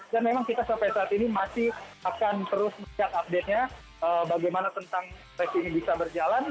dan memang kita sampai saat ini masih akan terus mencat update nya bagaimana tentang race ini bisa berjalan